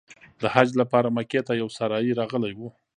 د حج لپاره مکې ته یو سارایي راغلی و.